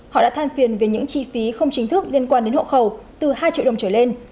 họ đã than phiền về những chi phí không chính thức liên quan đến hộ khẩu từ hai triệu đồng trở lên